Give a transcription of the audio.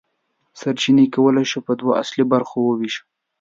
سرچینې کولی شو په دوه اصلي برخو وویشو.